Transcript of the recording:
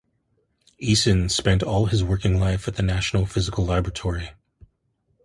Essen spent all his working life at the National Physical Laboratory.